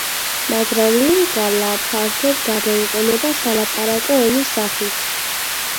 მაგრამ ლინგალა ფართედ გამოიყენება სალაპარაკო ენის სახით.